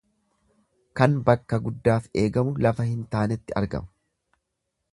Kan bakka guddaaf eeggamu lafa hin taanetti argama.